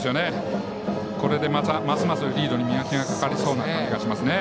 これでますますリードに磨きがかかりそうですね。